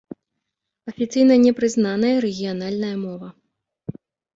Афіцыйна не прызнаная рэгіянальная мова.